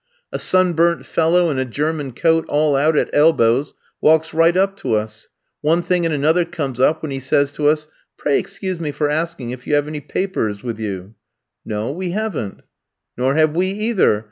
A sunburnt fellow in a German coat all out at elbows, walks right up to us. One thing and another comes up, when he says to us: "'Pray excuse me for asking if you have any papers [passport] with you?' "'No, we haven't.' "'Nor have we either.